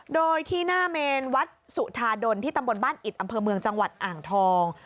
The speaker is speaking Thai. โดยที่หน้าเมนวัดสุธาดลที่ตำบลบ้านอิดอำเภอเมืองจังหวัดอ่างทอง